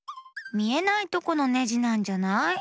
みえないとこのネジなんじゃない？